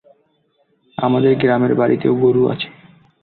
আমাদের গ্রামের বাড়িতেও গরু আছে।